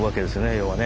要はね